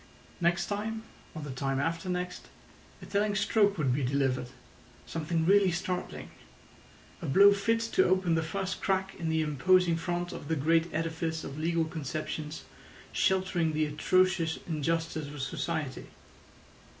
Next time, or the time after next, a telling stroke would be delivered—something really startling—a blow fit to open the first crack in the imposing front of the great edifice of legal conceptions sheltering the atrocious injustice of society.